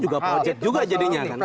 itu juga pakarjet juga jadinya kan